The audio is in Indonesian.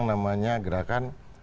gerakan yang diberikan